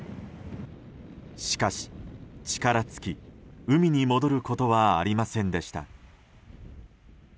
しかし力尽き、海に戻ることはありませんでした。